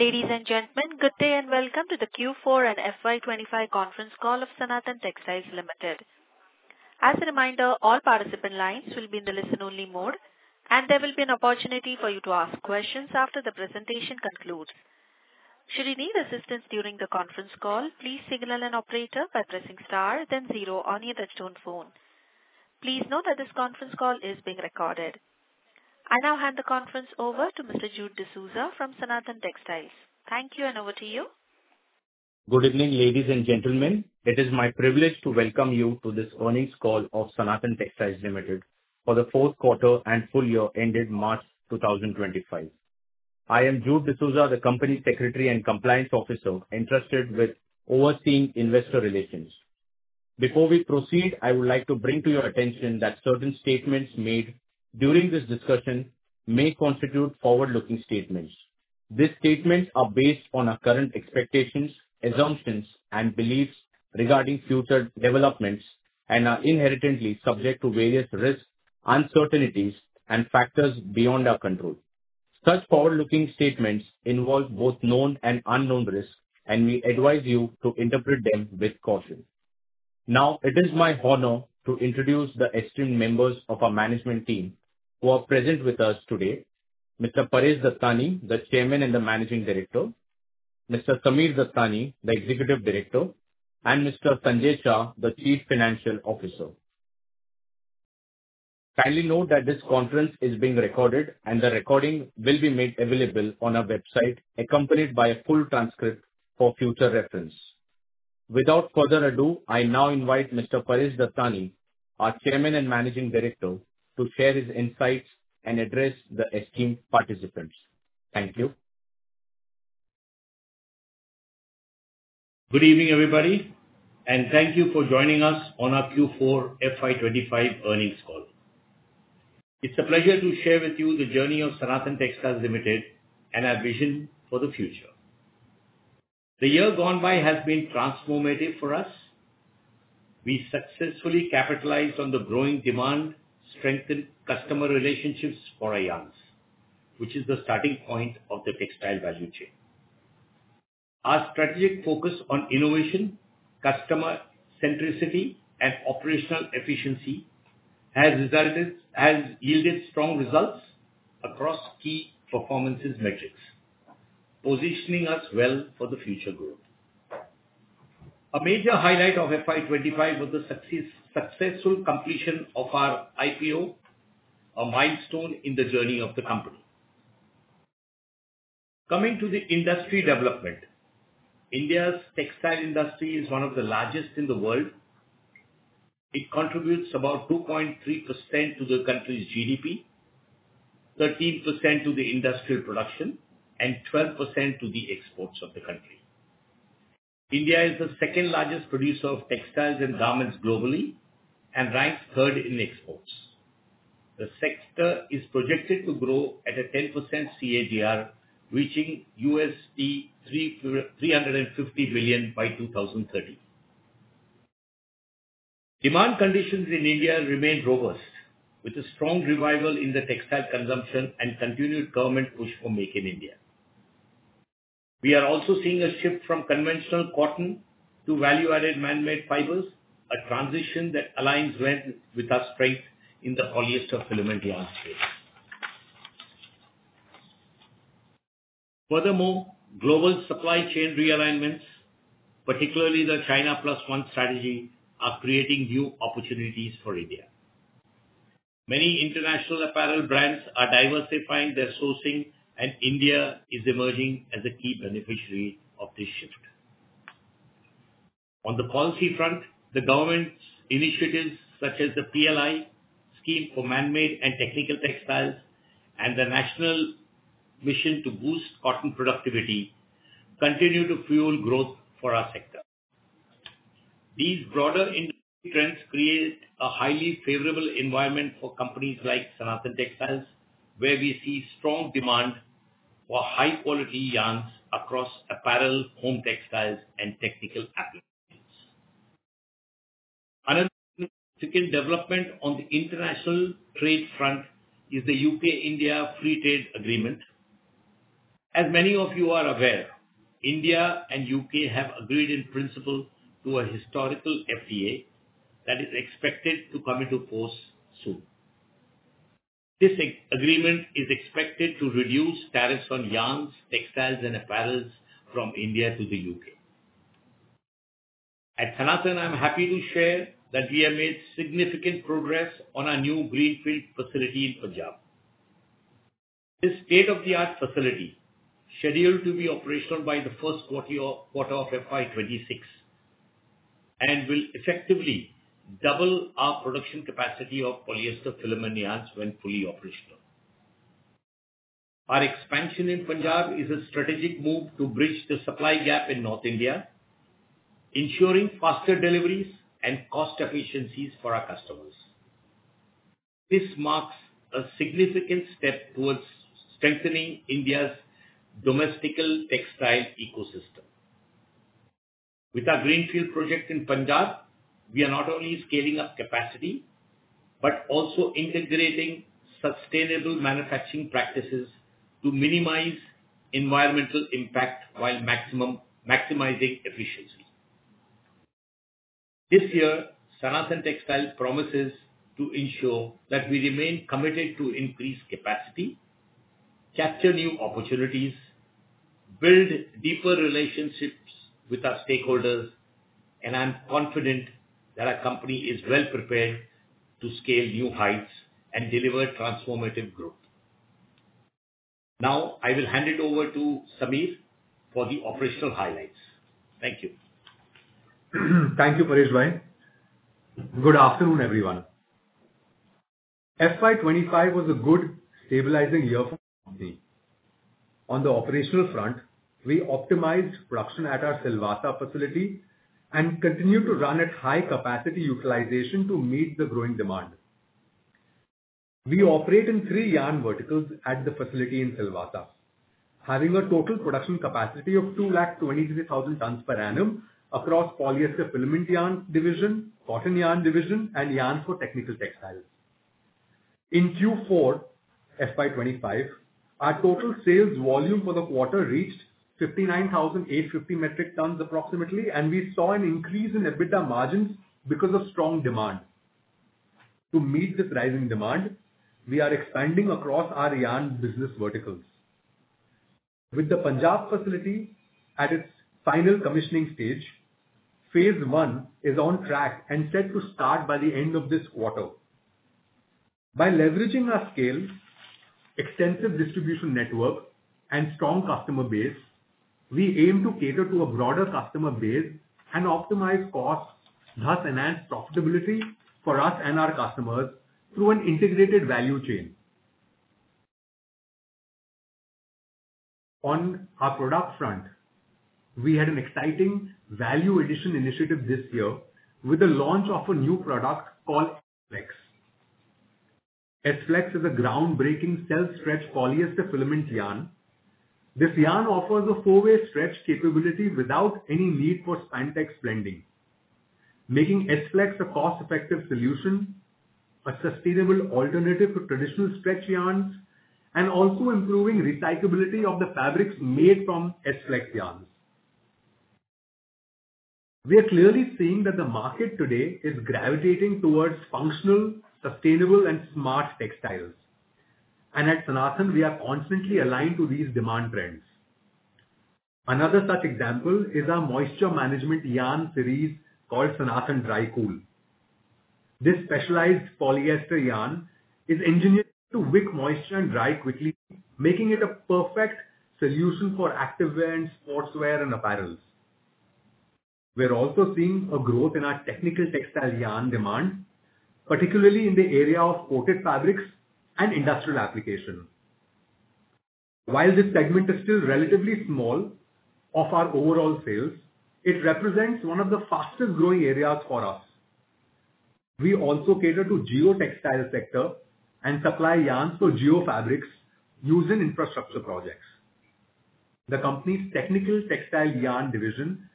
Ladies and gentlemen, good day and welcome to the Q4 and FY 2025 conference call of Sanathan Textiles Limited. As a reminder, all participant lines will be in the listen-only mode, and there will be an opportunity for you to ask questions after the presentation concludes. Should you need assistance during the conference call, please signal an operator by pressing star, then zero on your touch-tone phone. Please note that this conference call is being recorded. I now hand the conference over to Mr. Jude D'Souza from Sanathan Textiles. Thank you, and over to you. Good evening, ladies and gentlemen. It is my privilege to welcome you to this earnings call of Sanathan Textiles Limited for the fourth quarter and full year ended March 2025. I am Jude D'Souza, the Company Secretary and Compliance Officer interested in overseeing investor relations. Before we proceed, I would like to bring to your attention that certain statements made during this discussion may constitute forward-looking statements. These statements are based on our current expectations, assumptions, and beliefs regarding future developments and are inherently subject to various risks, uncertainties, and factors beyond our control. Such forward-looking statements involve both known and unknown risks, and we advise you to interpret them with caution. Now, it is my honor to introduce the esteemed members of our management team who are present with us today: Mr. Paresh Dattani, the Chairman and Managing Director; Mr. Sammir Dattani, the Executive Director; and Mr. Sanjay Shah, the Chief Financial Officer. Kindly note that this conference is being recorded, and the recording will be made available on our website accompanied by a full transcript for future reference. Without further ado, I now invite Mr. Paresh Dattani, our Chairman and Managing Director, to share his insights and address the esteemed participants. Thank you. Good evening, everybody, and thank you for joining us on our Q4 FY 2025 earnings call. It's a pleasure to share with you the journey of Sanathan Textiles Limited and our vision for the future. The year gone by has been transformative for us. We successfully capitalized on the growing demand to strengthen customer relationships for yarns, which is the starting point of the textile value chain. Our strategic focus on innovation, customer centricity, and operational efficiency has yielded strong results across key performance metrics, positioning us well for the future growth. A major highlight of FY 2025 was the successful completion of our IPO, a milestone in the journey of the company. Coming to the industry development, India's textile industry is one of the largest in the world. It contributes about 2.3% to the country's GDP, 13% to the industrial production, and 12% to the exports of the country. India is the second-largest producer of textiles and garments globally and ranks third in exports. The sector is projected to grow at a 10% CAGR, reaching $350 billion by 2030. Demand conditions in India remain robust, with a strong revival in the textile consumption and continued government push for Make in India. We are also seeing a shift from conventional cotton to value-added man-made fibers, a transition that aligns with our strength in the polyester filament industry. Furthermore, global supply chain realignments, particularly the China Plus One strategy, are creating new opportunities for India. Many international apparel brands are diversifying their sourcing, and India is emerging as a key beneficiary of this shift. On the policy front, the government's initiatives such as the PLI scheme for man-made and technical textiles and the national mission to boost cotton productivity continue to fuel growth for our sector. These broader industry trends create a highly favorable environment for companies like Sanathan Textiles, where we see strong demand for high-quality yarns across apparel, home textiles, and technical applications. Another significant development on the international trade front is the U.K.-India Free Trade Agreement. As many of you are aware, India and the U.K. have agreed in principle to a historic FTA that is expected to come into force soon. This agreement is expected to reduce tariffs on yarns, textiles, and apparels from India to the U.K. At Sanathan, I'm happy to share that we have made significant progress on our new greenfield facility in Punjab. This state-of-the-art facility is scheduled to be operational by the first quarter of FY 2026 and will effectively double our production capacity of polyester filament yarns when fully operational. Our expansion in Punjab is a strategic move to bridge the supply gap in North India, ensuring faster deliveries and cost efficiencies for our customers. This marks a significant step towards strengthening India's domestic textile ecosystem. With our greenfield project in Punjab, we are not only scaling up capacity but also integrating sustainable manufacturing practices to minimize environmental impact while maximizing efficiency. This year, Sanathan Textiles promises to ensure that we remain committed to increase capacity, capture new opportunities, build deeper relationships with our stakeholders, and I'm confident that our company is well prepared to scale new heights and deliver transformative growth. Now, I will hand it over to Sammir for the operational highlights. Thank you. Thank you, Paresh. Good afternoon, everyone. FY 2025 was a good stabilizing year for the company. On the operational front, we optimized production at our Silvassa facility and continued to run at high capacity utilization to meet the growing demand. We operate in three yarn verticals at the facility in Silvassa, having a total production capacity of 223,000 tons per annum across polyester filament yarn division, cotton yarn division, and yarn for technical textiles. In Q4 FY 2025, our total sales volume for the quarter reached 59,850 metric tons approximately, and we saw an increase in EBITDA margins because of strong demand. To meet this rising demand, we are expanding across our yarn business verticals. With the Punjab facility at its final commissioning stage, phase I is on track and set to start by the end of this quarter. By leveraging our scale, extensive distribution network, and strong customer base, we aim to cater to a broader customer base and optimize costs, thus enhance profitability for us and our customers through an integrated value chain. On our product front, we had an exciting value addition initiative this year with the launch of a new product called S-Flex. S-Flex is a groundbreaking self-stretch polyester filament yarn. This yarn offers a four-way stretch capability without any need for spandex blending, making S-Flex a cost-effective solution, a sustainable alternative to traditional stretch yarns, and also improving recyclability of the fabrics made from S-Flex yarns. We are clearly seeing that the market today is gravitating towards functional, sustainable, and smart textiles, and at Sanathan, we are constantly aligned to these demand trends. Another such example is our moisture management yarn series called Sanathan Drycool. This specialized polyester yarn is engineered to wick moisture and dry quickly, making it a perfect solution for active wear and sportswear and apparels. We are also seeing a growth in our technical textile yarn demand, particularly in the area of coated fabrics and industrial application. While this segment is still relatively small of our overall sales, it represents one of the fastest-growing areas for us. We also cater to the geotextile sector and supply yarns for geofabrics used in infrastructure projects. The company's technical textile yarn division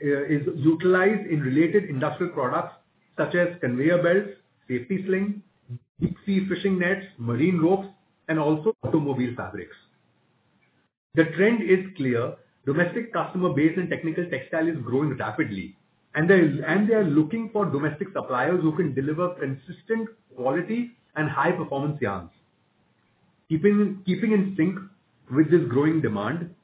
is utilized in related industrial products such as conveyor belts, safety slings, deep-sea fishing nets, marine ropes, and also automobile fabrics. The trend is clear: domestic customer base in technical textile is growing rapidly, and they are looking for domestic suppliers who can deliver consistent quality and high-performance yarns. Keeping in sync with this growing demand,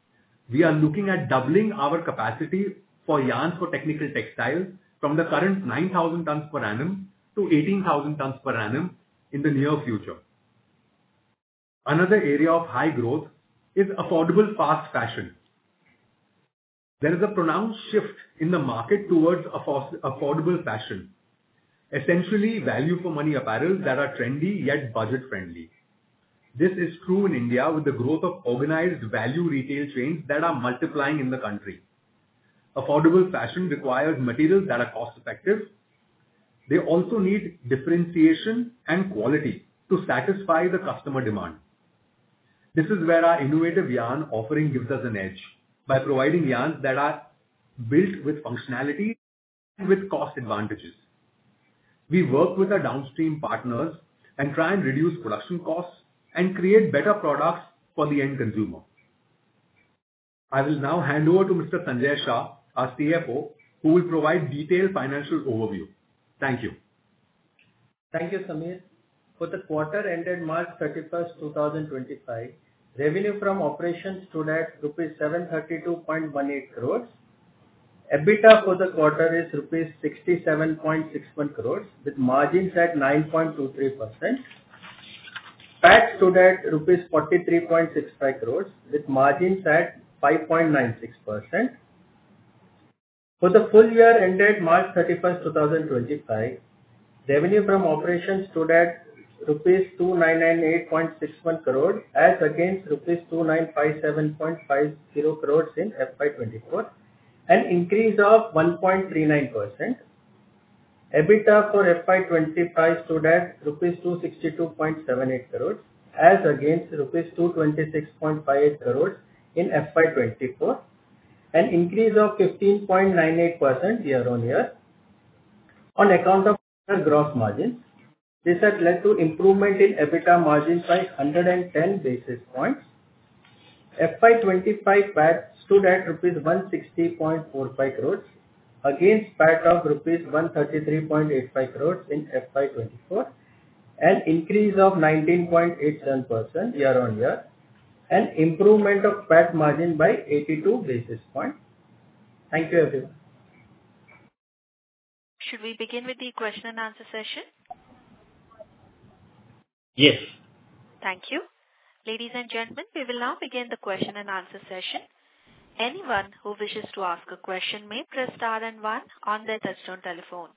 we are looking at doubling our capacity for yarns for technical textiles from the current 9,000 tons per annum-18,000 tons per annum in the near future. Another area of high growth is affordable fast fashion. There is a pronounced shift in the market towards affordable fashion, essentially value-for-money apparels that are trendy yet budget-friendly. This is true in India with the growth of organized value retail chains that are multiplying in the country. Affordable fashion requires materials that are cost-effective. They also need differentiation and quality to satisfy the customer demand. This is where our innovative yarn offering gives us an edge by providing yarns that are built with functionality and with cost advantages. We work with our downstream partners and try and reduce production costs and create better products for the end consumer. I will now hand over to Mr. Sanjay Shah, our CFO, who will provide detailed financial overview. Thank you. Thank you, Sammir. For the quarter ended March 31st, 2025, revenue from operations stood at rupees 732.18 crore. EBITDA for the quarter is rupees 67.61 crore, with margins at 9.23%. PAT stood at rupees 43.65 crore, with margins at 5.96%. For the full year ended March 31st, 2025, revenue from operations stood at rupees 2,998.61 crore, as against rupees 2,957.50 crore in FY 2024, an increase of 1.39%. EBITDA for FY 2025 stood at INR 262.78 crore, as against INR 226.58 crore in FY 2024, an increase of 15.98% year-on-year. On account of gross margins, this has led to improvement in EBITDA margins by 110 basis points. FY 2025 PAT stood at INR 160.45 crore, against PAT of INR 133.85 crore in FY 2024, an increase of 19.87% year-on-year, and improvement of PAT margin by 82 basis points. Thank you, everyone. Should we begin with the question-and-answer session? Yes. Thank you. Ladies and gentlemen, we will now begin the question and answer session. Anyone who wishes to ask a question may press star and one on their touch-tone telephone.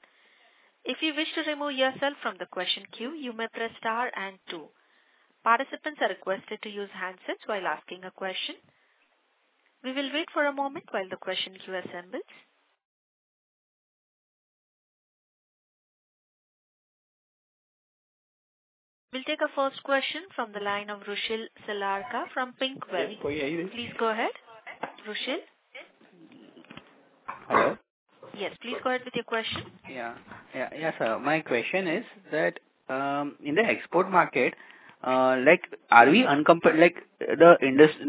If you wish to remove yourself from the question queue, you may press star and two. Participants are requested to use handsets while asking a question. We will wait for a moment while the question queue assembles. We'll take a first question from the line of Rushil Selarka from PINC Wealth. Please go ahead. Please go ahead, Rushil. Hello? Yes, please go ahead with your question. Yeah. Yes, sir. My question is that in the export market, are we uncompetitive? The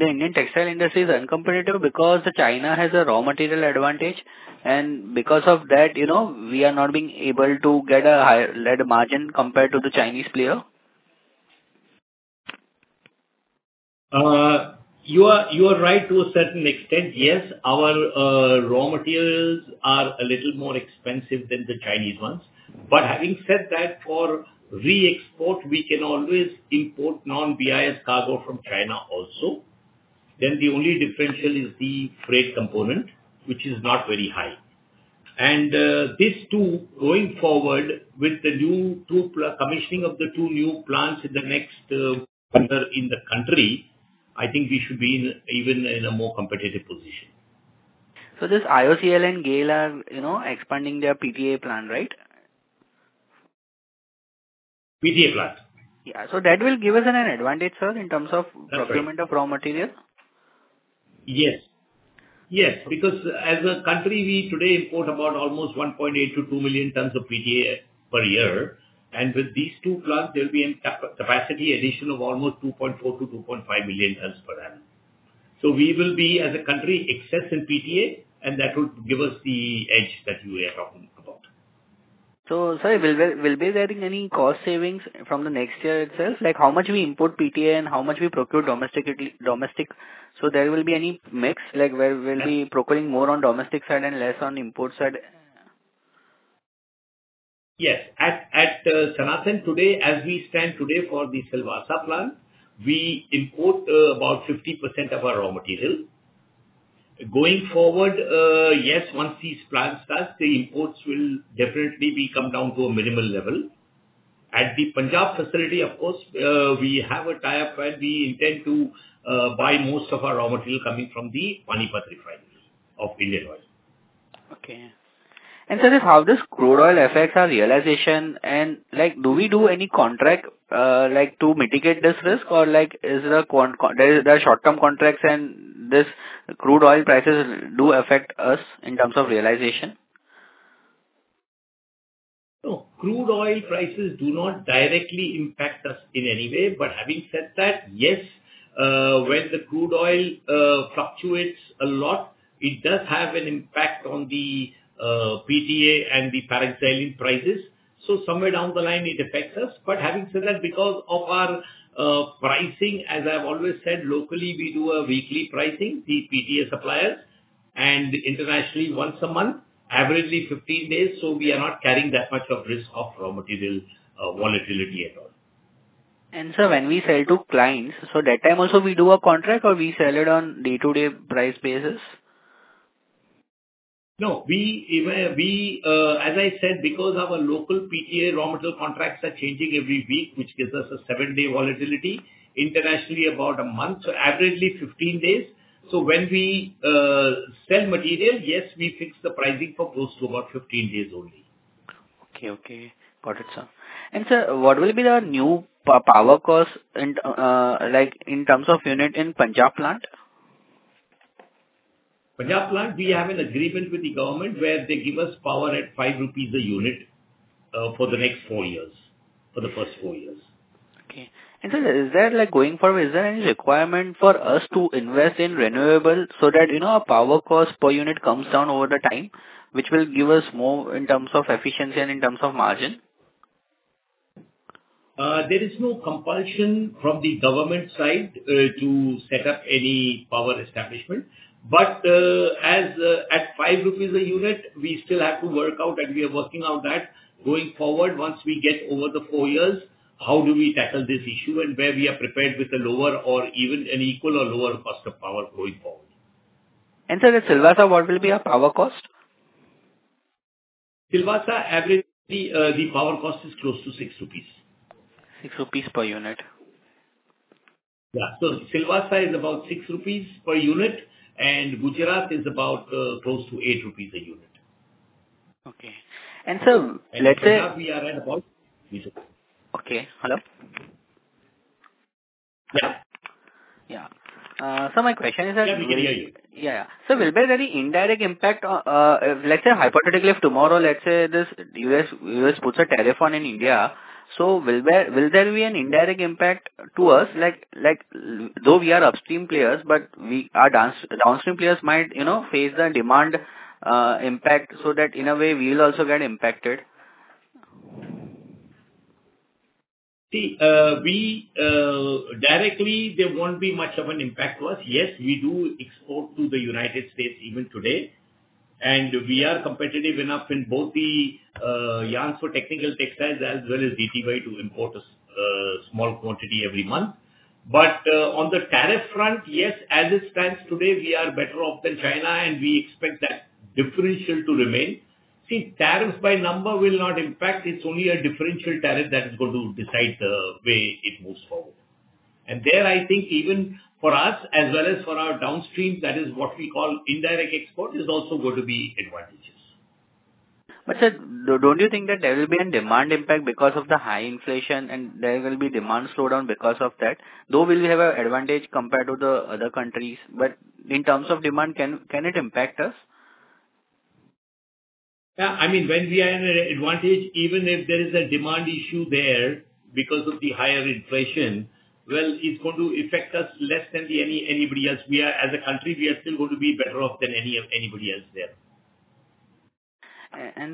Indian textile industry is uncompetitive because China has a raw material advantage, and because of that, we are not being able to get a higher lead margin compared to the Chinese player. You are right to a certain extent. Yes, our raw materials are a little more expensive than the Chinese ones. But having said that, for re-export, we can always import non-BIS cargo from China also. Then the only differential is the freight component, which is not very high. And this too, going forward with the new commissioning of the two new plants in the next quarter in the country, I think we should be even in a more competitive position. So this IOCL and GAIL are expanding their PTA plant, right? PTA plant. Yeah. So that will give us an advantage, sir, in terms of procurement of raw material? Yes. Yes. Because as a country, we today import about almost 1.8-2 million tons of PTA per year, and with these two plants, there will be a capacity addition of almost 2.4-2.5 million tons per annum, so we will be, as a country, excess in PTA, and that will give us the edge that you are talking about. So, sir, will there be any cost savings from the next year itself? How much we import PTA and how much we procure domestically? So there will be any mix where we'll be procuring more on domestic side and less on import side? Yes. At Sanathan today, as we stand today for the Silvassa plant, we import about 50% of our raw material. Going forward, yes, once these plants start, the imports will definitely come down to a minimal level. At the Punjab facility, of course, we have a tie-up, and we intend to buy most of our raw material coming from the Panipat refinery of Indian Oil. Okay. And sir, how does crude oil affect our realization? And do we do any contract to mitigate this risk, or is there short-term contracts and these crude oil prices do affect us in terms of realization? No, crude oil prices do not directly impact us in any way. But having said that, yes, when the crude oil fluctuates a lot, it does have an impact on the PTA and the paraxylene prices. So somewhere down the line, it affects us. But having said that, because of our pricing, as I've always said, locally, we do a weekly pricing, the PTA suppliers, and internationally, once a month, on average 15 days. So we are not carrying that much of risk of raw material volatility at all. Sir, when we sell to clients, so that time also we do a contract, or we sell it on day-to-day price basis? No. As I said, because our local PTA raw material contracts are changing every week, which gives us a seven-day volatility, internationally about a month, so averagely 15 days. So when we sell material, yes, we fix the pricing for those to about 15 days only. Okay. Got it, sir. And sir, what will be the new power cost in terms of unit in Punjab plant? Punjab plant, we have an agreement with the government where they give us power at 5 rupees a unit for the next four years, for the first four years. Okay. And sir, is there going forward, is there any requirement for us to invest in renewable so that our power cost per unit comes down over the time, which will give us more in terms of efficiency and in terms of margin? There is no compulsion from the government side to set up any power establishment. But at 5 rupees a unit, we still have to work out, and we are working on that. Going forward, once we get over the four years, how do we tackle this issue and where we are prepared with a lower or even an equal or lower cost of power going forward? Sir, the Silvassa, what will be your power cost? Silvassa, averagely the power cost is close to 6 rupees. 6 per unit. Yeah, so Silvassa is about 6 rupees per unit, and Gujarat is about close to 8 rupees a unit. Okay, and sir, let's say— In Punjab, we are at about— Okay. Hello? Yeah. Yeah. So my question is that— Yeah. We can hear you. Yeah. So will there be any indirect impact? Let's say hypothetically, if tomorrow, let's say the U.S. puts a tariff on India, so will there be an indirect impact to us? Though we are upstream players, but our downstream players might face the demand impact so that in a way, we will also get impacted. See, directly, there won't be much of an impact to us. Yes, we do export to the United States even today and we are competitive enough in both the yarn for technical textiles as well as DTY to export a small quantity every month, but on the tariff front, yes, as it stands today, we are better off than China, and we expect that differential to remain. See, tariffs by number will not impact. It's only a differential tariff that is going to decide the way it moves forward and there, I think, even for us as well as for our downstream, that is what we call indirect export, is also going to be advantageous. But sir, don't you think that there will be a demand impact because of the high inflation, and there will be demand slowdown because of that? Though we will have an advantage compared to the other countries, but in terms of demand, can it impact us? Yeah. I mean, when we are at an advantage, even if there is a demand issue there because of the higher inflation, well, it's going to affect us less than anybody else. As a country, we are still going to be better off than anybody else there.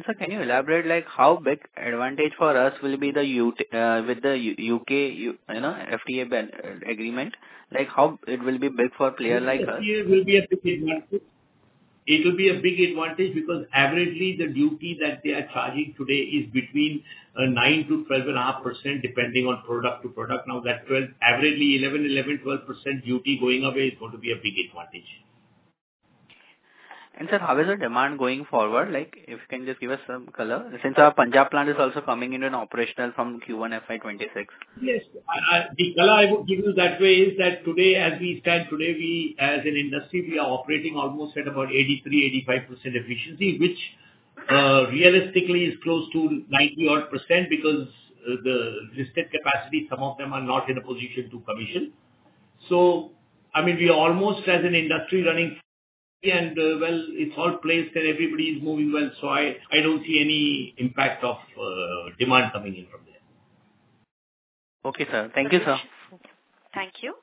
Sir, can you elaborate how big advantage for us will be with the U.K. FTA agreement? How it will be big for a player like us? FTA will be a big advantage. It will be a big advantage because averagely the duty that they are charging today is between 9%-12.5% depending on product to product. Now that 12%, averagely 11%-12% duty going away is going to be a big advantage. And sir, how is the demand going forward? If you can just give us some color. Since our Punjab plant is also coming into operation from Q1 FY 2026. Yes. The color I would give you that way is that today, as we stand today, as an industry, we are operating almost at about 83-85% efficiency, which realistically is close to 90-odd% because the listed capacity, some of them are not in a position to commission. So I mean, we are almost as an industry running and, well, it's all placed and everybody is moving well. So I don't see any impact of demand coming in from there. Okay, sir. Thank you, sir. Thank you.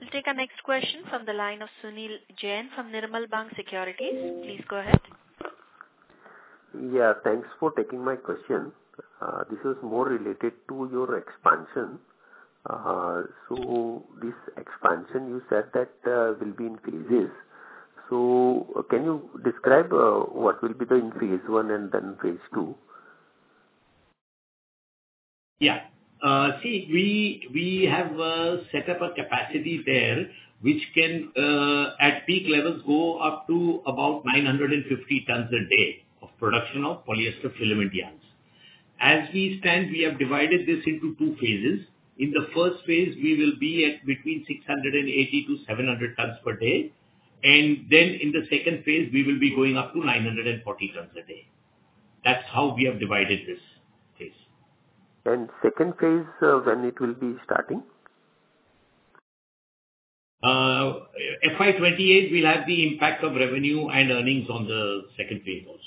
We'll take a next question from the line of Sunil Jain from Nirmal Bang Securities. Please go ahead. Yeah. Thanks for taking my question. This is more related to your expansion. So this expansion, you said that will be in phases. So can you describe what will be the phase I and then phase II? Yeah. See, we have set up a capacity there which can, at peak levels, go up to about 950 tons a day of production of polyester filament yarns. As we stand, we have divided this into two phases. In the first phase, we will be at between 680-700 tons per day. And then in the second phase, we will be going up to 940 tons a day. That's how we have divided this phase. Second phase, when it will be starting? FY 2028, we'll have the impact of revenue and earnings on the second phase also.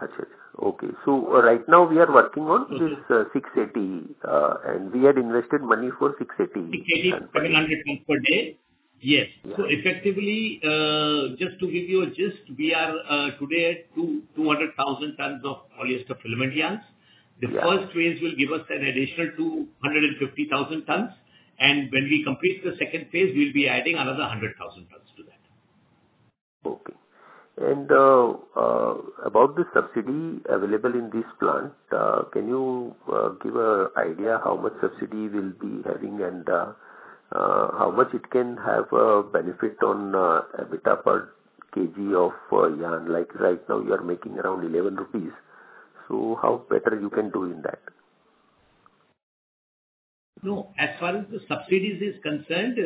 Got it. Okay. So right now, we are working on this 680, and we had invested money for 680. 680-700 tons per day. Yes. So effectively, just to give you a gist, we are today at 200,000 tons of polyester filament yarns. The first phase will give us an additional 250,000 tons. And when we complete the second phase, we'll be adding another 100,000 tons to that. Okay. And about the subsidy available in this plant, can you give an idea how much subsidy will be having and how much it can have a benefit on EBITDA per kg of yarn? Right now, you are making around 11 rupees. So how better you can do in that? No. As far as the subsidies are concerned,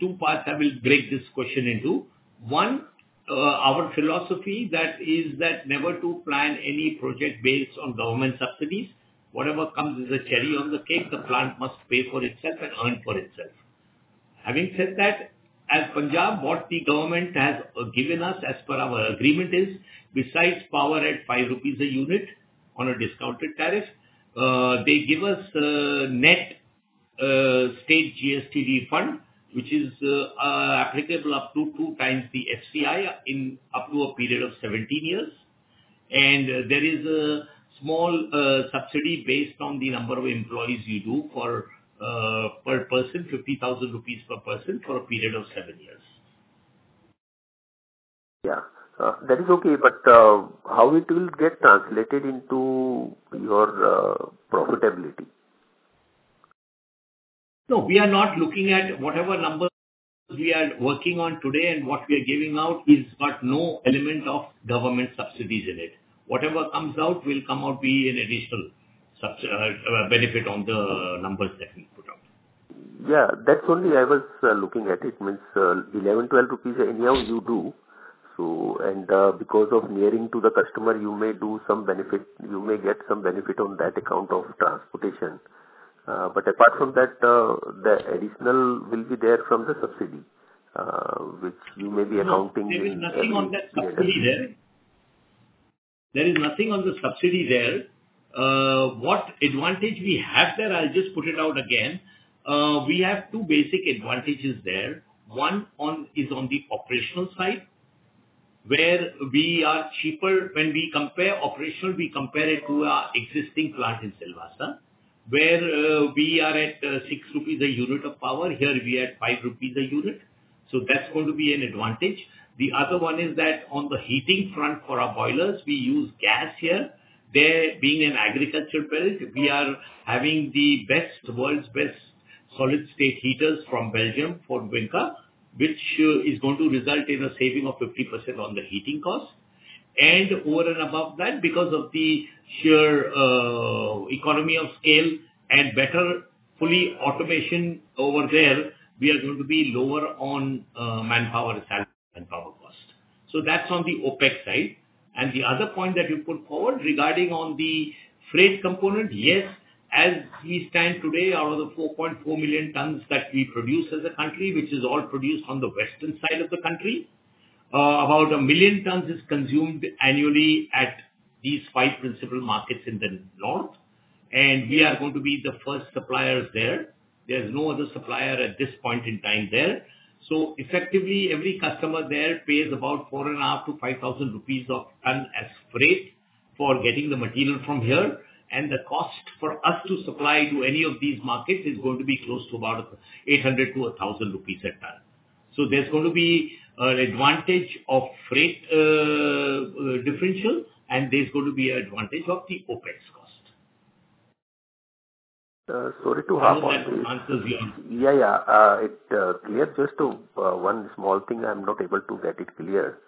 two parts I will break this question into. One, our philosophy is that never to plan any project based on government subsidies. Whatever comes is a cherry on the cake. The plant must pay for itself and earn for itself. Having said that, in Punjab, what the government has given us as per our agreement is, besides power at 5 rupees a unit on a discounted tariff, they give us net state GST refund, which is applicable up to two times the FCI up to a period of 17 years, and there is a small subsidy based on the number of employees you do per person, 50,000 rupees per person for a period of seven years. Yeah. That is okay. But how it will get translated into your profitability? No. We are not looking at whatever numbers we are working on today, and what we are giving out is got no element of government subsidies in it. Whatever comes out will come out to be an additional benefit on the numbers that we put out. Yeah. That's only I was looking at it means 11, 12 rupees anyhow you do. And because of nearing to the customer, you may do some benefit. You may get some benefit on that account of transportation. But apart from that, the additional will be there from the subsidy, which you may be accounting for. There is nothing on that subsidy there. What advantage we have there, I'll just put it out again. We have two basic advantages there. One is on the operational side where we are cheaper. When we compare operational, we compare it to our existing plant in Silvassa where we are at 6 rupees a unit of power. Here, we are at 5 rupees a unit. So that's going to be an advantage. The other one is that on the heating front for our boilers, we use gas here. There being an agriculture belt, we are having the world's best solid-state heaters from Belgium, for Vyncke, which is going to result in a saving of 50% on the heating cost. Over and above that, because of the sheer economy of scale and better full automation over there, we are going to be lower on manpower salary and power cost. That's on the OpEx side. The other point that you put forward regarding on the freight component, yes, as we stand today, out of the 4.4 million tons that we produce as a country, which is all produced on the western side of the country, about a million tons is consumed annually at these five principal markets in the north. We are going to be the first suppliers there. There's no other supplier at this point in time there. Effectively, every customer there pays about 4,500-5,000 rupees a ton as freight for getting the material from here. The cost for us to supply to any of these markets is going to be close to about 800-1,000 rupees a ton. So there's going to be an advantage of freight differential, and there's going to be an advantage of the OpEx cost. Sorry to harp on. Yeah, yeah. It's clear. Just one small thing I'm not able to get it clear.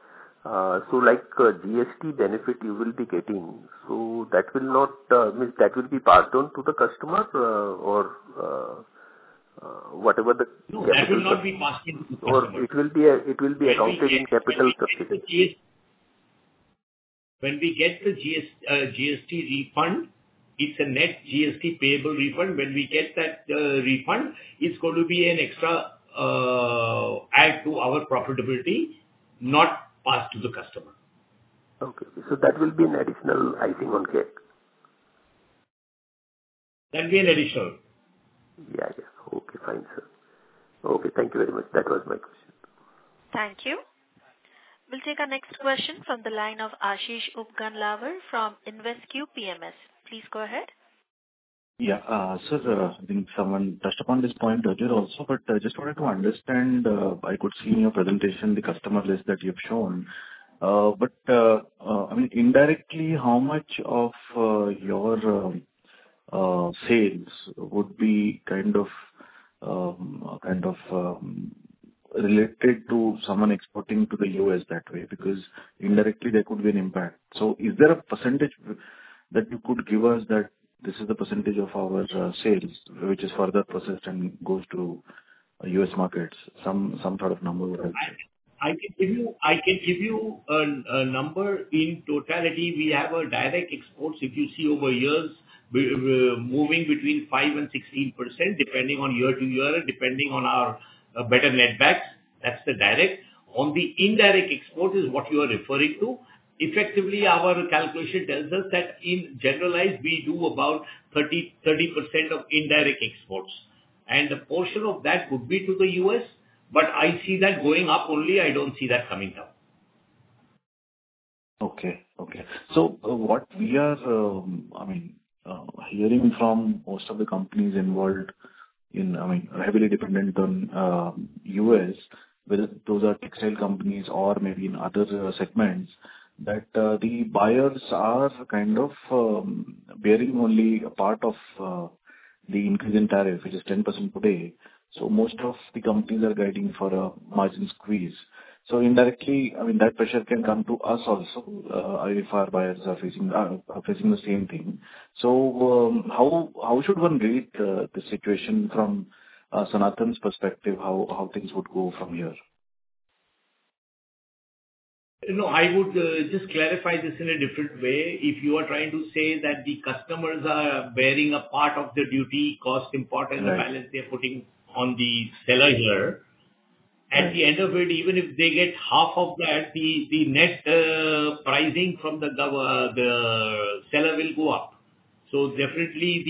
So GST benefit you will be getting. So that will not mean that will be passed on to the customer or whatever the capital, or— No. That will not be passed on to the customer. Or it will be accounted in capital subsidies? When we get the GST refund, it's a net GST payable refund. When we get that refund, it's going to be an extra add to our profitability, not passed to the customer. Okay. So that will be an additional, I think, ongoing. That will be an additional. Yes. Okay. Fine, sir. Okay. Thank you very much. That was my question. Thank you. We'll take our next question from the line of Aashish Upganlawar from InvesQ PMS. Please go ahead. Yeah. Sir, I think someone touched upon this point earlier also, but just wanted to understand. I could see in your presentation the customer list that you've shown. But I mean, indirectly, how much of your sales would be kind of related to someone exporting to the U.S. that way? Because indirectly, there could be an impact. So is there a percentage that you could give us that this is the percentage of our sales, which is further processed and goes to U.S. markets? Some sort of number would help you. I can give you a number. In totality, we have a direct export. If you see over years, moving between 5% and 16%, depending on year to year, depending on our better net backs, that's the direct. On the indirect export is what you are referring to. Effectively, our calculation tells us that in general, we do about 30% of indirect exports, and a portion of that could be to the U.S., but I see that going up only. I don't see that coming down. Okay. So what we are hearing, I mean, from most of the companies involved in, I mean, heavily dependent on the U.S., whether those are textile companies or maybe in other segments, that the buyers are kind of bearing only a part of the increase in tariff, which is 10% per day. So most of the companies are guiding for a margin squeeze. So indirectly, I mean, that pressure can come to us also. If our buyers are facing the same thing. So how should one rate the situation from Sanathan's perspective? How things would go from here? No. I would just clarify this in a different way. If you are trying to say that the customers are bearing a part of the duty cost import and the balance they are putting on the seller here, at the end of it, even if they get half of that, the net pricing from the seller will go up. So definitely,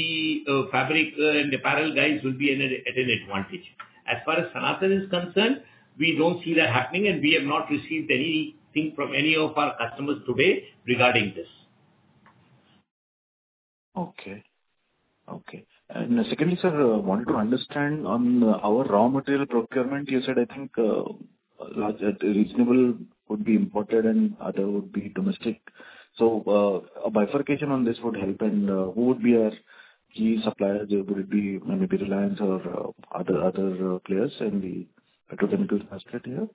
the fabric and the apparel guys will be at an advantage. As far as Sanathan is concerned, we don't see that happening, and we have not received anything from any of our customers today regarding this. Okay. And secondly, sir, I wanted to understand on our raw material procurement. You said, I think, reasonable would be imported and other would be domestic. So a bifurcation on this would help. And who would be our key suppliers? Would it be maybe Reliance or other players in the petrochemical industry here?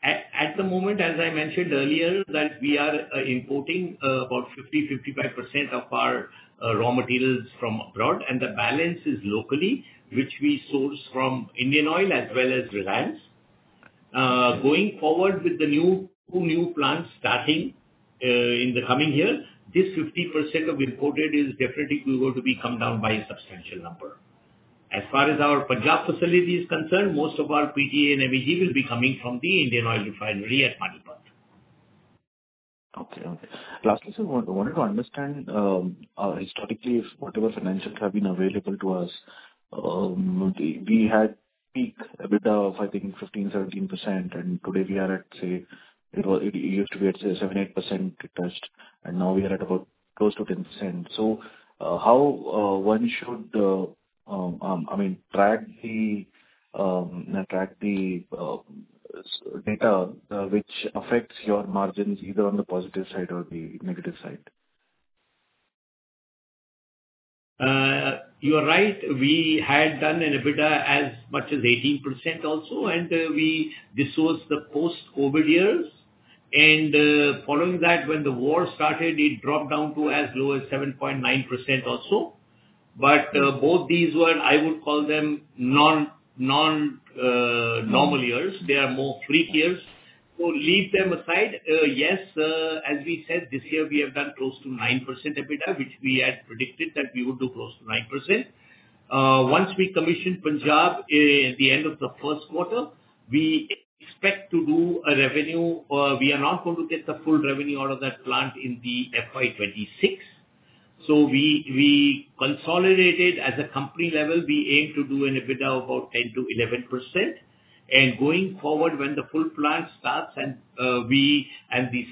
At the moment, as I mentioned earlier, that we are importing about 50%-55% of our raw materials from abroad, and the balance is locally, which we source from Indian Oil as well as Reliance. Going forward with the new plants starting in the coming year, this 50% of imported is definitely going to come down by a substantial number. As far as our Punjab facility is concerned, most of our PTA and MEG will be coming from the Indian Oil Refinery at Panipat. Okay. Okay. Lastly, sir, I wanted to understand historically, whatever financials have been available to us, we had peak EBITDA of, I think, 15%-17%, and today we are at, say, it used to be at, say, 7%-8% touched, and now we are at about close to 10%. So how one should, I mean, track the data which affects your margins either on the positive side or the negative side? You are right. We had done an EBITDA as much as 18% also, and this was the post-COVID years. Following that, when the war started, it dropped down to as low as 7.9% also. But both these were, I would call them, non-normal years. They are more freak years. So leave them aside. Yes, as we said, this year, we have done close to 9% EBITDA, which we had predicted that we would do close to 9%. Once we commissioned Punjab at the end of the first quarter, we expect to do a revenue. We are not going to get the full revenue out of that plant in the FY 2026. So we consolidated as a company level, we aim to do an EBITDA of about 10%-11%. Going forward, when the full plant starts and the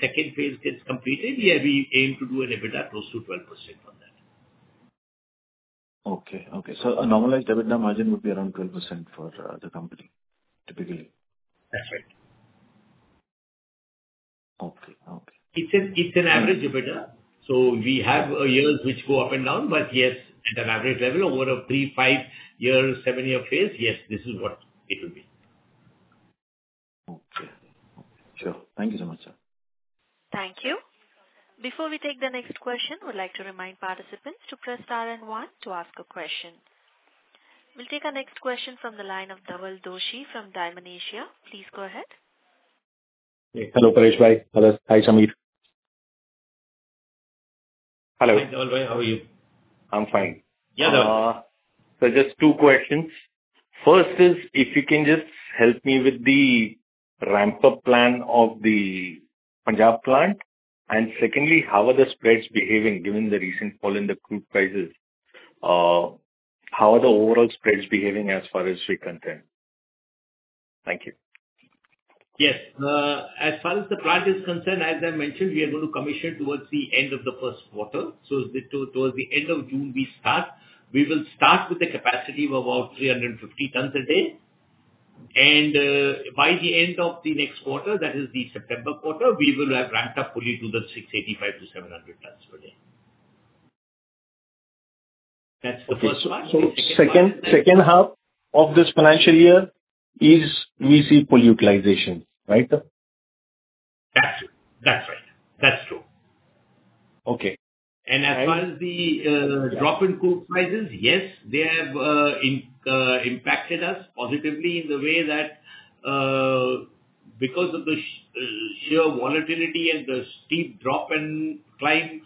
second phase gets completed, we aim to do an EBITDA close to 12% on that. A normalized EBITDA margin would be around 12% for the company, typically. That's right. Okay. Okay. It's an average EBITDA. So we have years which go up and down, but yes, at an average level, over a three, five-year, seven-year phase, yes, this is what it will be. Okay. Sure. Thank you so much, sir. Thank you. Before we take the next question, we'd like to remind participants to press star and one to ask a question. We'll take our next question from the line of Dhawal Doshi from Dymon Asia Capital. Please go ahead. Hello, Paresh. Hello. Hi, Sammir. Hello. Hi, Dhawal. How are you? I'm fine. Yeah, Dhawal? So just two questions. First is, if you can just help me with the ramp-up plan of the Punjab plant. And secondly, how are the spreads behaving given the recent fall in the crude prices? How are the overall spreads behaving as far as we're concerned? Thank you. Yes. As far as the plant is concerned, as I mentioned, we are going to commission towards the end of the first quarter. So towards the end of June, we start. We will start with a capacity of about 350 tons a day. And by the end of the next quarter, that is the September quarter, we will have ramped up fully to the 685-700 tons per day. That's the first one. So second half of this financial year is we see pool utilization, right? That's right. That's true. Okay. As far as the drop in crude prices, yes, they have impacted us positively in the way that because of the sheer volatility and the steep drop and climb,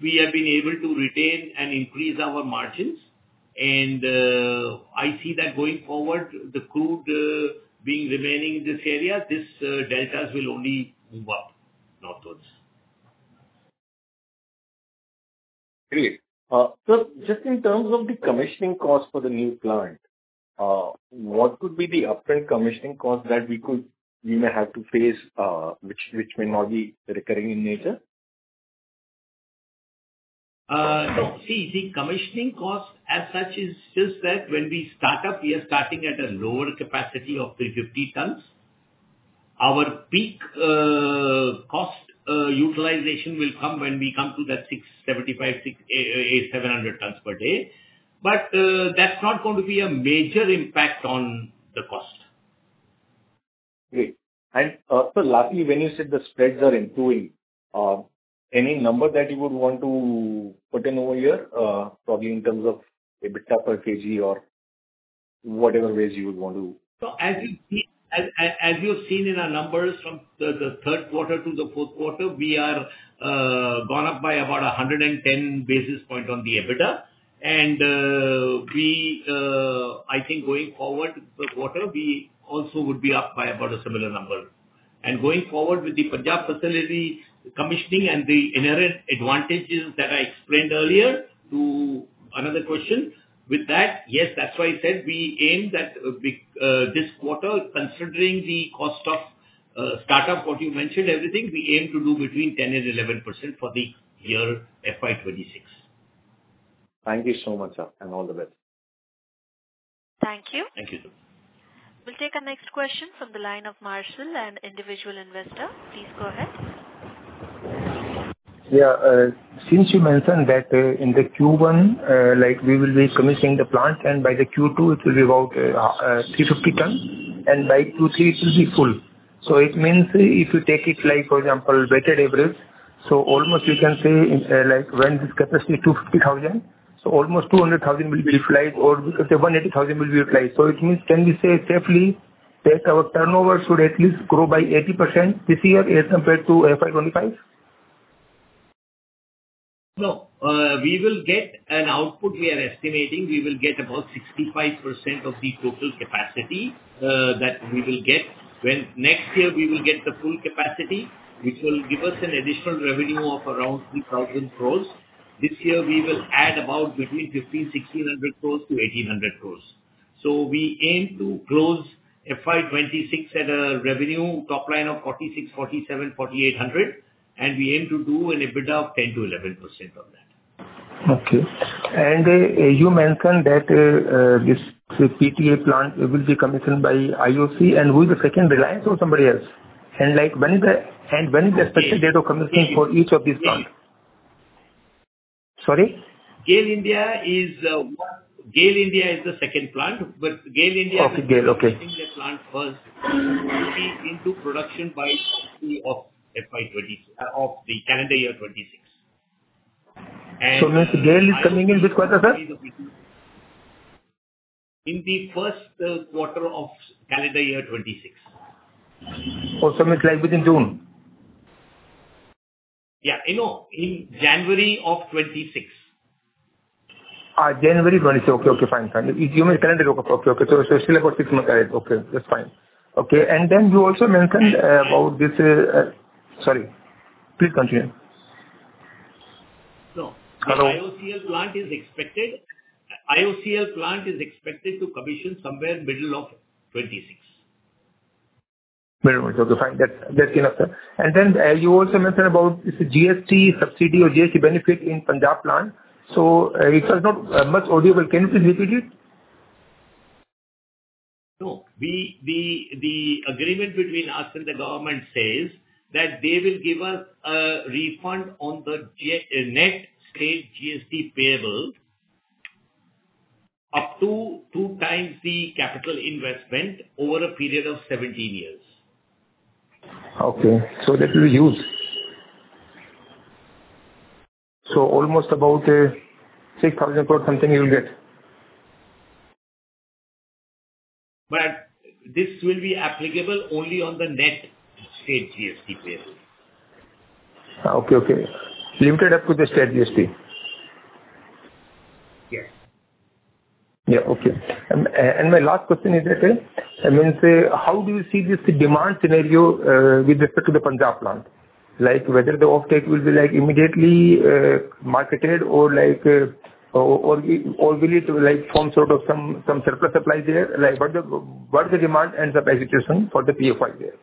we have been able to retain and increase our margins. I see that going forward, the crude being remaining in this area, this deltas will only move up northwards. Great. So just in terms of the commissioning cost for the new plant, what would be the upfront commissioning cost that we may have to face, which may not be recurring in nature? No. See, commissioning cost as such is just that. When we start up, we are starting at a lower capacity of 350 tons. Our peak cost utilization will come when we come to that 750 tons per day. But that's not going to be a major impact on the cost. Great. And so lastly, when you said the spreads are improving, any number that you would want to put in over here, probably in terms of EBITDA per kg or whatever ways you would want to? So as you've seen in our numbers from the third quarter to the fourth quarter, we are gone up by about 110 basis points on the EBITDA. And I think going forward, the quarter, we also would be up by about a similar number. And going forward with the Punjab facility commissioning and the inherent advantages that I explained earlier. To another question, with that, yes, that's why I said we aim that this quarter, considering the cost of startup, what you mentioned, everything, we aim to do between 10% and 11% for the year FY 2026. Thank you so much, sir, and all the best. Thank you. Thank you, sir. We'll take our next question from the line of Marshall and individual investor. Please go ahead. Yeah. Since you mentioned that in the Q1, we will be commissioning the plant, and by the Q2, it will be about 350 tons. And by Q3, it will be full. So it means if you take it like, for example, weighted average, so almost you can say when this capacity is 250,000, so almost 200,000 will be utilized or 180,000 will be utilized. So it means can we say safely that our turnover should at least grow by 80% this year as compared to FY 2025? No. We will get an output we are estimating. We will get about 65% of the total capacity that we will get. Next year, we will get the full capacity, which will give us an additional revenue of around 3,000 crore. This year, we will add about between 1,500, 1,600 crore to 1,800 crore. So we aim to close FY 2026 at a revenue top line of 4,600, 4,700, 4,800, and we aim to do an EBITDA of 10%-11% on that. Okay. And you mentioned that this PTA plant will be commissioned by IOC and will be second Reliance or somebody else? And when is the expected date of commissioning for each of these plants? Sorry? GAIL India is the second plant, but GAIL India is the plant first to be into production by the end of the calendar year 2026. So, when is GAIL coming in which quarter, sir? In the first quarter of calendar year 2026. Oh, so means like within June? Yeah. In January of 2026. January 2026. Okay, fine. You mean calendar year? Okay. So still about six months ahead. Okay. That's fine. Okay. And then you also mentioned about this. Sorry. Please continue. No. Hello? IOCL plant is expected to commission somewhere middle of 2026. Middle of 2026. Okay. Fine, that's enough, sir. And then you also mentioned about GST subsidy or GST benefit in Punjab plant. So it was not much audible. Can you please repeat it? No. The agreement between us and the government says that they will give us a refund on the net state GST payable up to two times the capital investment over a period of 17 years. Okay. So that will be huge. So almost about 6,000 crore something you will get? But this will be applicable only on the net state GST payable. Limited up to the state GST? Yes. Yeah. Okay. And my last question is that, I mean, how do you see this demand scenario with respect to the Punjab plant? Whether the offtake will be immediately marketed or will it form sort of some surplus supply there? What the demand ends up execution for the PFY there?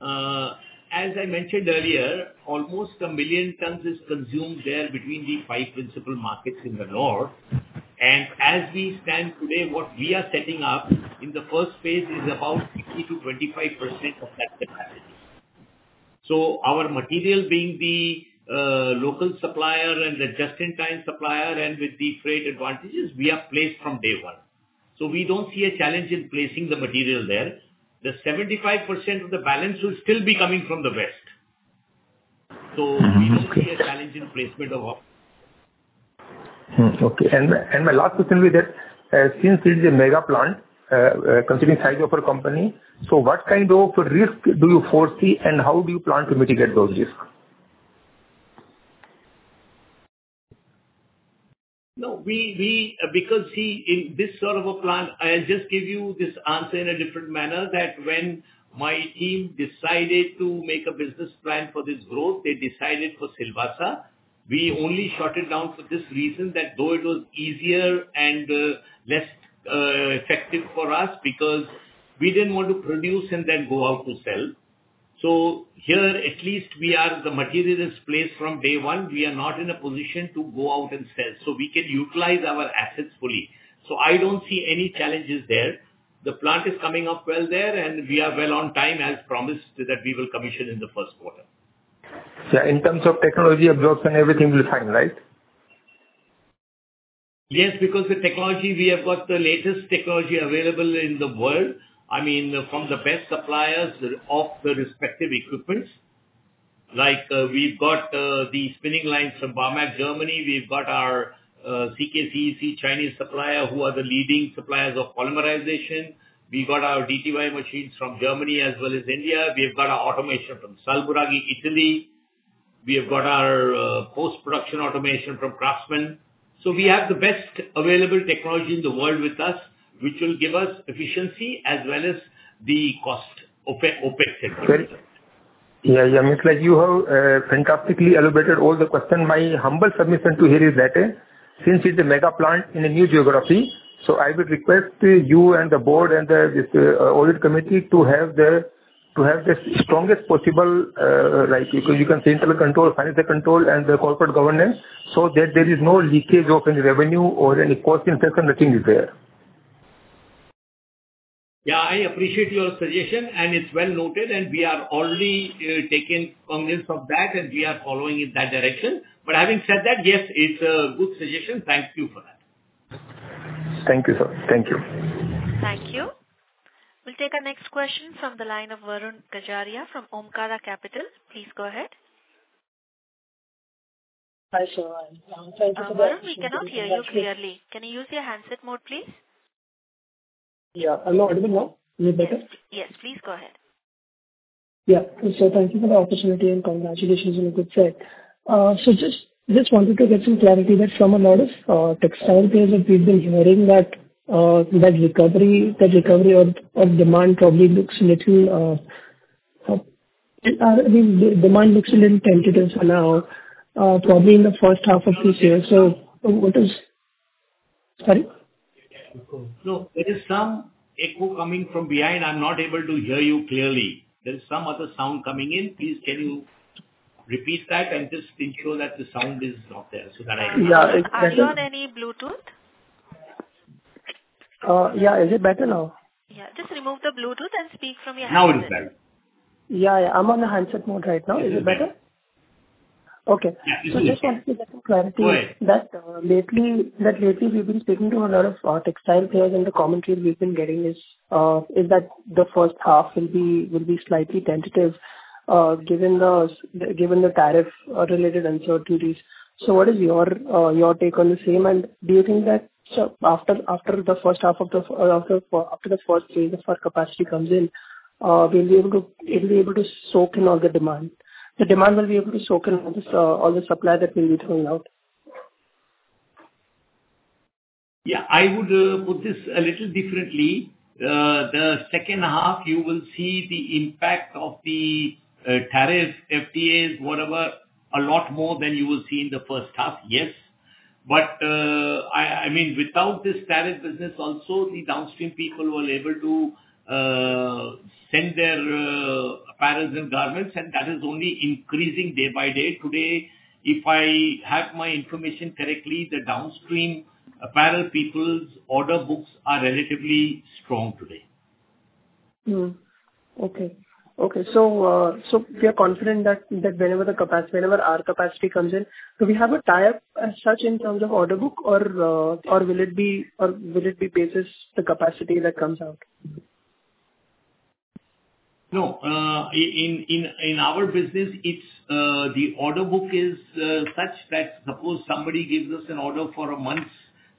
As I mentioned earlier, almost a million tons is consumed there between the five principal markets in the north. And as we stand today, what we are setting up in the first phase is about 60%-25% of that capacity. So our material being the local supplier and the just-in-time supplier and with the freight advantages, we are placed from day one. So we don't see a challenge in placing the material there. The 75% of the balance will still be coming from the west. So we don't see a challenge in placement of. Okay. Okay, and my last question with that, since it is a mega plant, considering the size of our company, so what kind of risk do you foresee and how do you plan to mitigate those risks? No. Because see, in this sort of a plant, I'll just give you this answer in a different manner that when my team decided to make a business plan for this growth, they decided for Silvassa. We only shot it down for this reason that though it was easier and less effective for us because we didn't want to produce and then go out to sell. So here, at least we are the material is placed from day one. We are not in a position to go out and sell. So we can utilize our assets fully. So I don't see any challenges there. The plant is coming up well there, and we are well on time as promised that we will commission in the first quarter. Yeah. In terms of technology absorption, everything will be fine, right? Yes. Because the technology we have got the latest technology available in the world, I mean, from the best suppliers of the respective equipment. We've got the spinning lines from Barmag, Germany. We've got our CKCEC, Chinese supplier who are the leading suppliers of polymerization. We got our DTY machines from Germany as well as India. We've got our automation from Salmoiraghi, Italy. We have got our post-production automation from Craftsman. So we have the best available technology in the world with us, which will give us efficiency as well as the cost OpEx. Great. Means you have fantastically elaborated all the questions. My humble submission is that since it's a mega plant in a new geography, so I would request you and the board and the audit committee to have the strongest possible because you can say internal control, financial control, and the corporate governance so that there is no leakage of any revenue or any cost inflation, nothing is there. Yeah. I appreciate your suggestion, and it's well noted, and we are already taking cognizance of that, and we are following in that direction, but having said that, yes, it's a good suggestion. Thank you for that. Thank you, sir. Thank you. Thank you. We'll take our next question from the line of Varun Gajaria from Omkara Capital. Please go ahead. Hi, Thank you so much. Varun, we cannot hear you clearly. Can you use your handset mode, please? Yeah. A little bit now. A little better? Yes. Please go ahead. Yeah. So thank you for the opportunity and congratulations on a good set. So just wanted to get some clarity that from a lot of textile players that we've been hearing that recovery of demand probably looks a little. I mean, demand looks a little tentative for now, probably in the first half of this year. So what is, sorry? No. There is some echo coming from behind. I'm not able to hear you clearly. There is some other sound coming in. Please can you repeat that and just ensure that the sound is not there so that I can hear you? Yeah. Is there any Bluetooth? Yeah. Is it better now? Yeah. Just remove the Bluetooth and speak from your handset. Now it's better. Yeah. Yeah. I'm on the handset mode right now. Is it better? Yeah. Okay. I just wanted to get some clarity that lately we've been speaking to a lot of textile players and the commentary we've been getting is that the first half will be slightly tentative given the tariff-related uncertainties. What is your take on the same? Do you think that after the first phase of our capacity comes in, we'll be able to soak in all the demand? Will the demand be able to soak in all the supply that we'll be throwing out? Yeah. I would put this a little differently. The second half, you will see the impact of the tariff, FTAs, whatever, a lot more than you will see in the first half, yes. But I mean, without this tariff business, also the downstream people were able to send their apparels and garments, and that is only increasing day by day. Today, if I have my information correctly, the downstream apparel people's order books are relatively strong today. Okay. So we are confident that whenever our capacity comes in, do we have a tariff as such in terms of order book, or will it be based on the capacity that comes out? No. In our business, the order book is such that suppose somebody gives us an order for a month's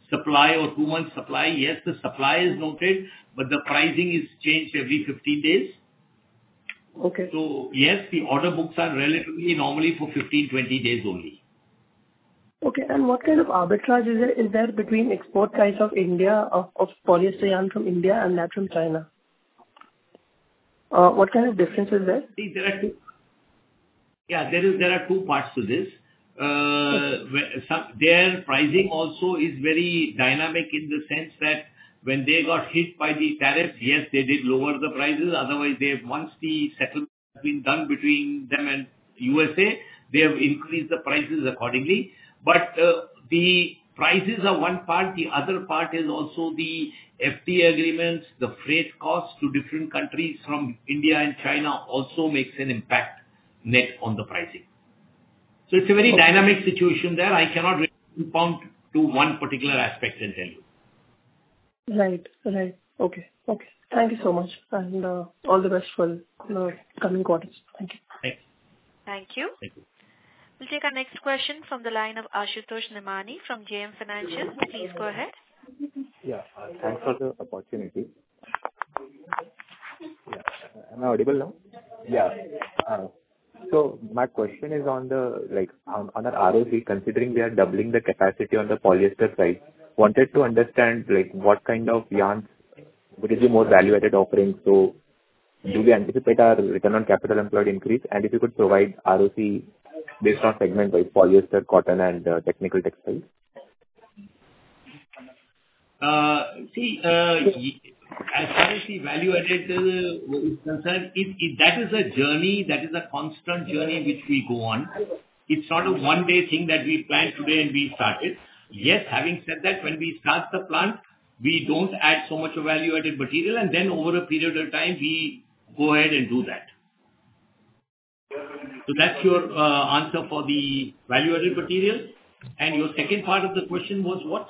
supply or two months' supply, yes, the supply is noted, but the pricing is changed every 15 days. So yes, the order books are relatively normally for 15-20 days only. Okay. And what kind of arbitrage is there between export guys of India, of polyester yarn from India, and that from China? What kind of difference is there? See, there are two parts to this. Their pricing also is very dynamic in the sense that when they got hit by the tariffs, yes, they did lower the prices. Otherwise, once the settlement has been done between them and USA, they have increased the prices accordingly. But the prices are one part. The other part is also the FTA agreements, the freight costs to different countries from India and China also makes a net impact on the pricing. So it's a very dynamic situation there. I cannot really pin down to one particular aspect and tell you. Right. Right. Okay. Okay. Thank you so much. And all the best for the coming quarters. Thank you. Thanks. Thank you. Thank you. We'll take our next question from the line of Ashutosh Nemani from JM Financial. Please go ahead. Yeah. Thanks for the opportunity. Yeah. Am I audible now? Yeah. So my question is on the ROCE, considering they are doubling the capacity on the polyester side, wanted to understand what kind of yarns would be the more value-added offering. So do we anticipate our return on capital employed increase? And if you could provide ROCE based on segment like polyester, cotton, and technical textiles? See, as far as the value-added is concerned, that is a journey. That is a constant journey which we go on. It's not a one-day thing that we planned today and we started. Yes, having said that, when we start the plant, we don't add so much of value-added material, and then over a period of time, we go ahead and do that. So that's your answer for the value-added material. And your second part of the question was what?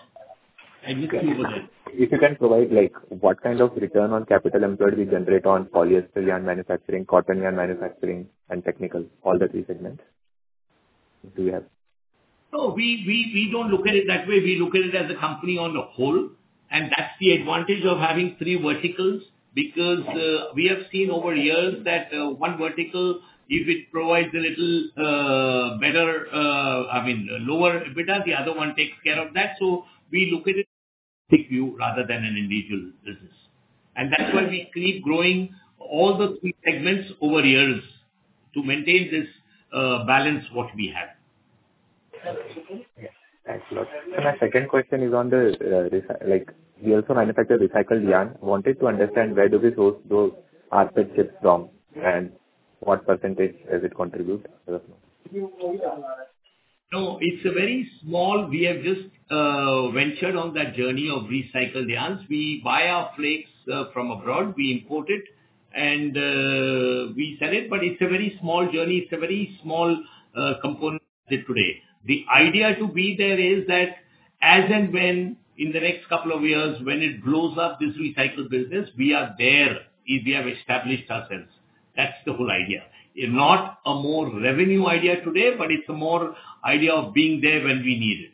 I missed you over there. If you can provide what kind of return on capital employed we generate on polyester yarn manufacturing, cotton yarn manufacturing, and technical, all the three segments? Do we have? No. We don't look at it that way. We look at it as a company on the whole. And that's the advantage of having three verticals because we have seen over years that one vertical, if it provides a little better, I mean, lower EBITDA, the other one takes care of that. So we look at it big view rather than an individual business. And that's why we keep growing all the three segments over years to maintain this balance what we have. Thanks a lot. My second question is on the fact we also manufacture recycled yarn. Wanted to understand where do we source those or pitch it from and what percentage does it contribute? No. It's a very small. We have just ventured on that journey of recycled yarns. We buy our flakes from abroad. We import it, and we sell it. But it's a very small journey. It's a very small component today. The idea to be there is that as and when in the next couple of years when it blows up this recycled business, we are there if we have established ourselves. That's the whole idea. Not a more revenue idea today, but it's a more idea of being there when we need it.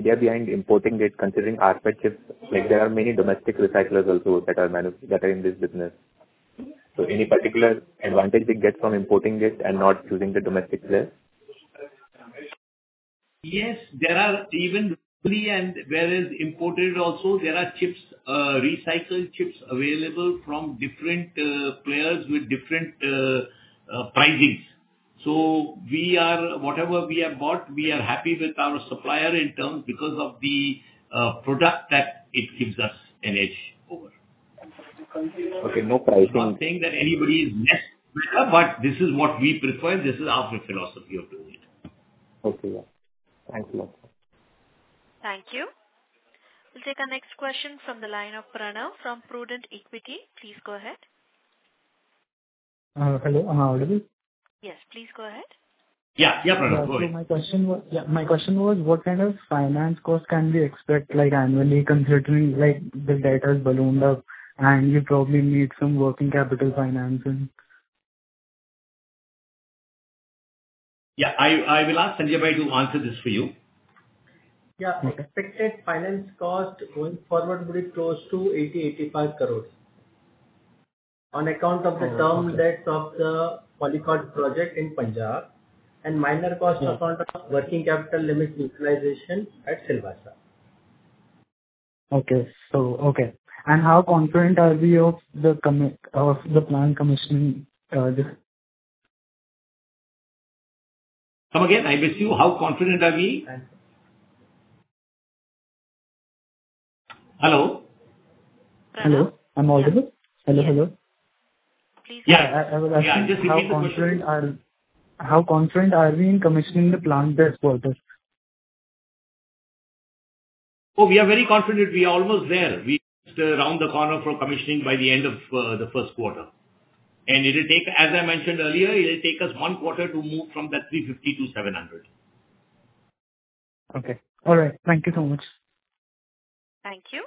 Idea behind importing it, considering like there are many domestic recyclers also that are in this business. So any particular advantage they get from importing it and not using the domestic players? Yes. There are even locally and whereas imported also, there are recycled chips available from different players with different pricings. So whatever we have bought, we are happy with our supplier in terms because of the product that it gives us an edge over. Okay. No pricing. I'm not saying that anybody is less, but this is what we prefer. This is our philosophy of doing it. Okay. Thanks a lot. Thank you. We'll take our next question from the line of Pranav from Prudent Equity. Please go ahead. Hello. Am I audible? Yes. Please go ahead. Yeah. Yeah, Pranav. Go ahead. My question was, what kind of finance cost can we expect annually considering the data is ballooned up and you probably need some working capital financing? Yeah. I will ask Sanjay to answer this for you. Yeah. The expected finance cost going forward would be close to 80 crore-85 crore on account of the term debts of the Polycot project in Punjab and minor costs on account of working capital limit utilization at Silvassa. And how confident are we of the plant commissioning? Come again. I missed you. How confident are we? Hello? Hello. Am I audible? Hello, hello? Please go ahead. Yeah. I would ask you the question. Yeah. I'm just repeating the question. How confident are we in commissioning the plant this quarter? Oh, we are very confident. We are almost there. We're just around the corner for commissioning by the end of the first quarter and it will take, as I mentioned earlier, it will take us one quarter to move from that 350-700. Okay. All right. Thank you so much. Thank you.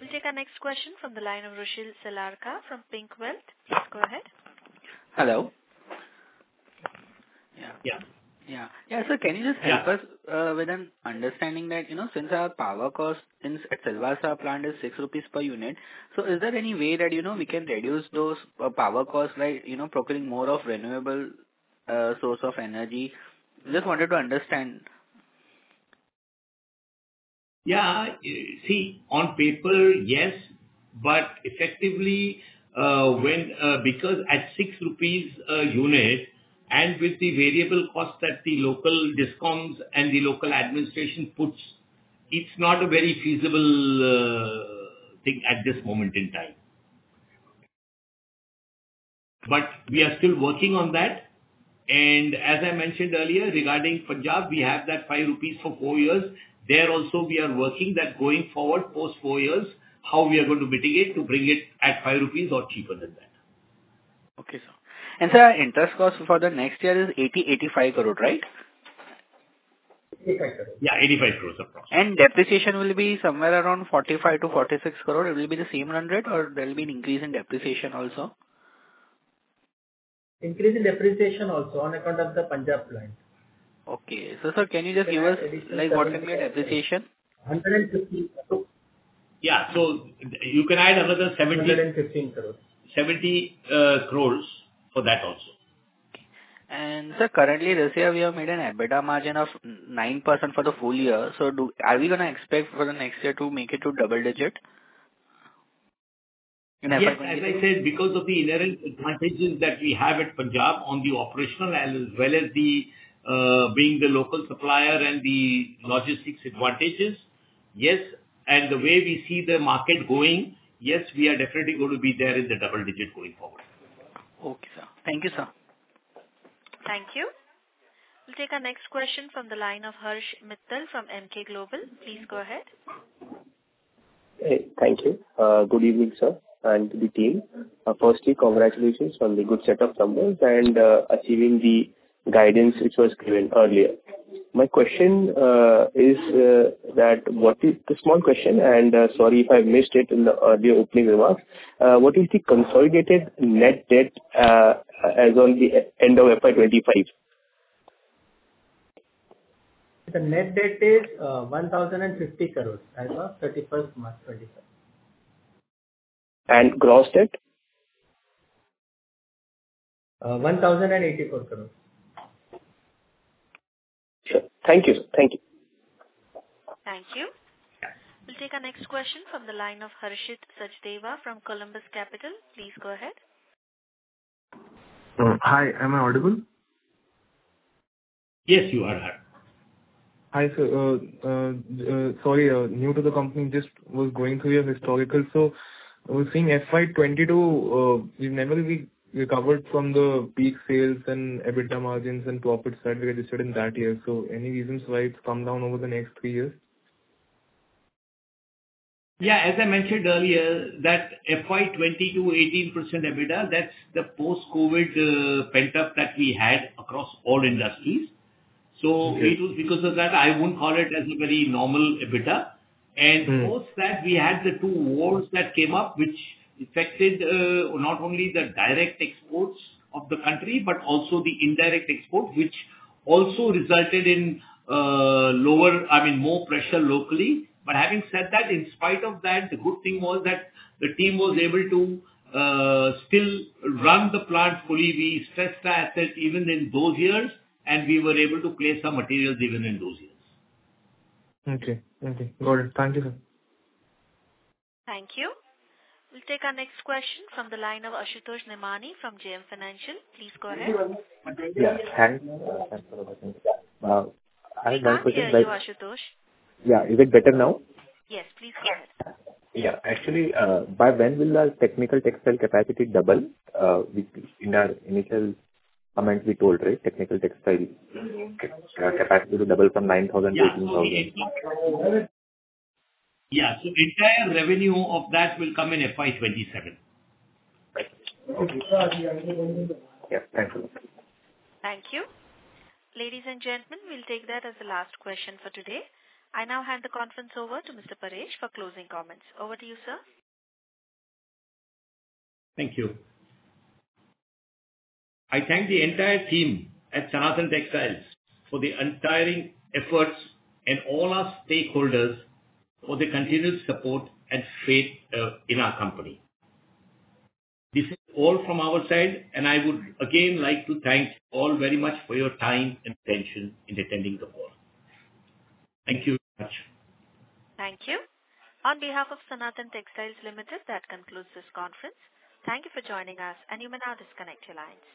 We'll take our next question from the line of Rushil Selarka from PINC Wealth. Please go ahead. Hello. Yeah. So can you just help us with an understanding that since our power cost at Silvassa plant is 6 rupees per unit, so is there any way that we can reduce those power costs by procuring more of renewable source of energy? Just wanted to understand. Yeah. See, on paper, yes. But effectively, because at 6 rupees a unit and with the variable cost that the local DISCOMs and the local administration puts, it's not a very feasible thing at this moment in time. But we are still working on that. And as I mentioned earlier, regarding Punjab, we have that 5 rupees for four years. There also, we are working that going forward post four years, how we are going to mitigate to bring it at 5 rupees or cheaper than that. Sir, our interest cost for the next year is 80 crore-85 crore, right? 85 crore. Yeah. 85 crore across. And depreciation will be somewhere around 45 crore-46 crore. It will be the same 100, or there will be an increase in depreciation also? Increase in depreciation also on account of the Punjab plant. Okay. So, sir, can you just give us what can be a depreciation? Yeah. So you can add another 70 crore. INR 115 crore. 70 crore for that also. Sir, currently, this year, we have made an EBITDA margin of 9% for the full year. Are we going to expect for the next year to make it to double digit? As I said, because of the inherent advantages that we have at Punjab on the operational as well as being the local supplier and the logistics advantages, yes, and the way we see the market going, yes, we are definitely going to be there in the double digit going forward. Okay, sir. Thank you, sir. Thank you. We'll take our next question from the line of Harsh Mittal from Emkay Global. Please go ahead. Thank you. Good evening, sir, and to the team. Firstly, congratulations on the good set of numbers and achieving the guidance which was given earlier. My question is that what is the small question, and sorry if I missed it in the earlier opening remarks, what is the consolidated net debt as of the end of FY 2025? The net debt is 1,050 crore as of March 31st, 2025. Gross debt? INR 1,084 crore. Sure. Thank you, sir. Thank you. Thank you. We'll take our next question from the line of Harshit Sachdeva from Columbus Capital. Please go ahead. Hi. Am I audible? Yes, you are heard. Hi, sir. Sorry, new to the company. Just was going through your historical. So we're seeing FY 2022, we've never recovered from the peak sales and EBITDA margins and profits that we registered in that year. So any reasons why it's come down over the next three years? Yeah. As I mentioned earlier, that FY 2022, 18% EBITDA, that's the post-COVID pent-up that we had across all industries. So because of that, I won't call it as a very normal EBITDA. And post that, we had the two wars that came up, which affected not only the direct exports of the country but also the indirect export, which also resulted in lower, I mean, more pressure locally. But having said that, in spite of that, the good thing was that the team was able to still run the plant fully. We stressed our effort even in those years, and we were able to place our materials even in those years. Okay. Okay. Got it. Thank you, sir. Thank you. We'll take our next question from the line of Ashutosh Nemani from JM Financial. Please go ahead. Thank you. I have one question. Thank you, Ashutosh. Yeah. Is it better now? Yes. Please go ahead. Yeah. Actually, by when will our technical textile capacity double? In our initial comment, we told, right? Technical textile capacity will double from 9,000-18,000. Yeah. So entire revenue of that will come in FY 2027. Okay. Yeah. Thank you. Thank you. Ladies and gentlemen, we'll take that as the last question for today. I now hand the conference over to Mr. Paresh for closing comments. Over to you, sir. Thank you. I thank the entire team at Sanathan Textiles for the untiring efforts and all our stakeholders for the continued support and faith in our company. This is all from our side, and I would again like to thank all very much for your time and attention in attending the call. Thank you very much. Thank you. On behalf of Sanathan Textiles Limited, that concludes this conference. Thank you for joining us, and you may now disconnect your lines.